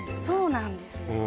そうなんですよ